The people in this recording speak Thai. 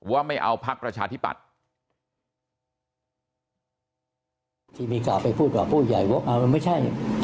ว่าไม่เอาพักราชาธิบัตร